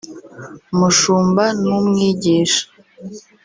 Umushumba n’Umwigisha